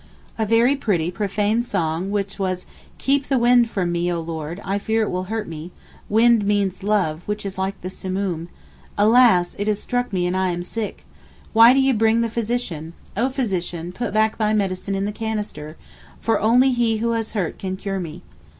A very pretty profane song was 'Keep the wind from me Oh Lord, I fear it will hurt me' (wind means love, which is like the Simoom) 'Alas! it has struck me and I am sick. Why do ye bring the physician? Oh physician put back thy medicine in the canister, for only he who has hurt can cure me.